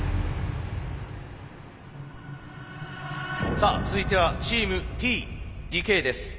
さあ続いてはチームＴ・ＤＫです。